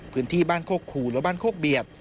พื้นที่บ้านโคกคูและบ้านโคกเบียด